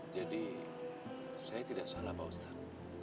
jadi saya tidak salah pak ustaz